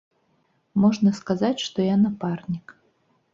Можна сказаць, што я напарнік.